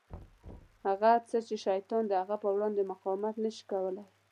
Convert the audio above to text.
هغه څه چې شیطان د هغه په وړاندې مقاومت نه شي کولای.